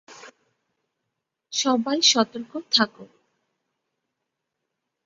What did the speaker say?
সবাই সতর্ক থাক!